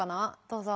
どうぞ。